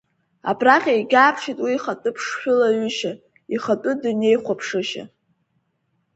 Абраҟа егьааԥшит уи ихатәы ԥшшәылаҩышьа, ихатәы дунеихәаԥшышьа.